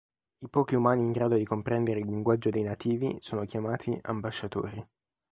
I pochi umani in grado di comprendere il linguaggio dei nativi sono chiamati "Ambasciatori".